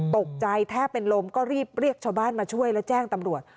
ตกใจแทบเป็นลมก็รีบเรียกชาวบ้านมาช่วยแล้วแจ้งตำรวจ